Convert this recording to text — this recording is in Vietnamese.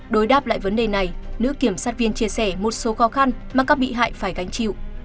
đối đáp lại vấn đề này nữ kiểm sát viên chia sẻ một số khó khăn mà các bị hại phải gánh chịu